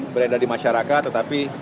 beredar di masyarakat tetapi